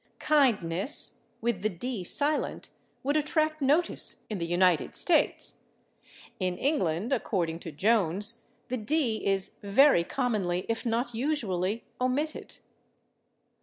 /Kindness/, with the /d/ silent, would attract notice in the United States; in England, according to [Pg171] Jones, the /d/ is "very commonly, if not usually" omitted.